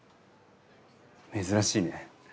珍しいね。